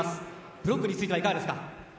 ブロックについてはいかがですか？